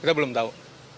kita belum tahu